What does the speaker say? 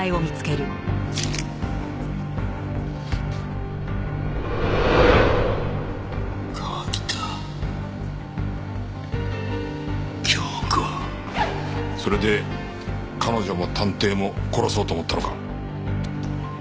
それで彼女も探偵も殺そうと思ったのか？